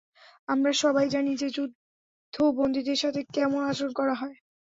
আমরা সবাই জানি যে যুদ্ধ- বন্দীদের সাথে কেমন আচরণ করা হয়!